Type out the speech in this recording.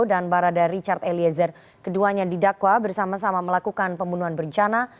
dan barada richard eliezer keduanya didakwa bersama sama melakukan pembunuhan bencana